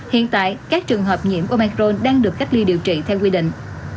hiện tại các trường hợp nhiễm omar đang được cách ly điều trị theo quy định